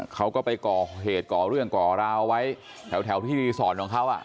เขาก็ไปก่อเหตุก่อเรื่องก่อราวไว้แถวที่รีสอร์ทของเขา